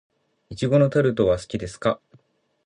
苺のタルトは好きですか。